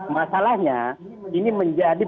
masalahnya ini menjadi